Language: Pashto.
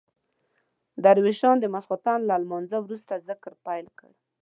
درویشان د ماخستن له لمانځه وروسته ذکر پیل کړ.